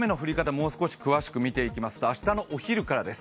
もう少し詳しく見ていきますと明日のお昼からです